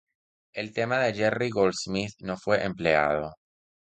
El tema de Jerry Goldsmith no fue empleado.